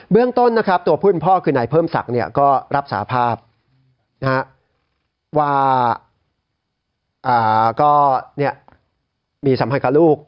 เบื้องต้นตัวพุ่นพ่อคือในเพิ่มศักดิ์ก็รับสาภาพว่าก็มีสัมพันธ์กับลูก